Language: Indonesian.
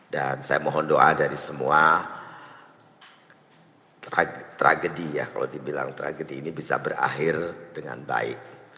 dan saya mohon doa dari semua tragedi ya kalau dibilang tragedi ini bisa berakhir dengan baik